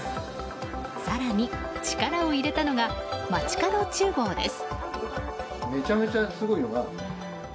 更に、力を入れたのがまちかど厨房です。